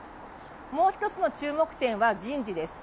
もう一つの注目点は人事です。